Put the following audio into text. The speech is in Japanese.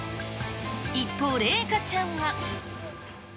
一方、麗禾ちゃんは。